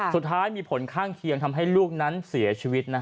สุดท้ายมีผลข้างเคียงทำให้ลูกนั้นเสียชีวิต